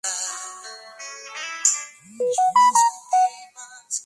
Tras la cual fue abandonado.